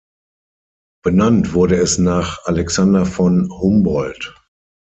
Benannt wurde es nach Alexander von Humboldt.